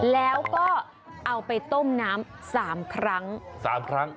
แล้วก็เอาไปต้มน้ำ๓ครั้ง